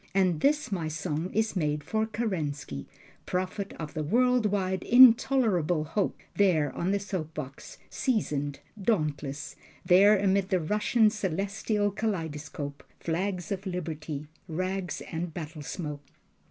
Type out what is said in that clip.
And this my song is made for Kerensky, Prophet of the world wide intolerable hope, There on the soap box, seasoned, dauntless, There amid the Russian celestial kaleidoscope, Flags of liberty, rags and battlesmoke.